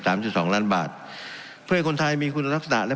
สามจุดสองล้านบาทเพื่อให้คนไทยมีคุณธรรมศาสตร์และ